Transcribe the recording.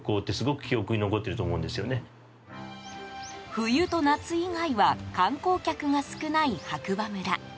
冬と夏以外は観光客が少ない白馬村。